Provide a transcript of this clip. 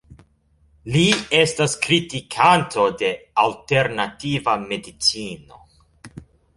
Li estas kritikanto de Alternativa medicino.